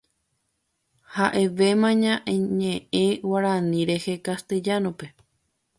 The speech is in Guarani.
Ha'evéma ñañe'ẽ Guarani rehe Castellano-pe.